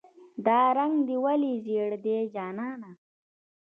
"دا رنګ دې ولې زیړ دی جانانه".